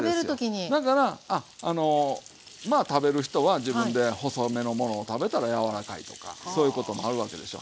だからまあ食べる人は自分で細めのものを食べたら柔らかいとかそういうことになるわけでしょ。